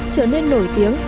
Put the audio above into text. trở nên nổi tiếng